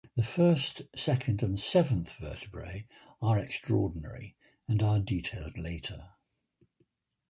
The first, second, and seventh vertebrae are extraordinary, and are detailed later.